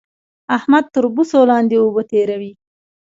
احمد تر بوسو لاندې اوبه تېروي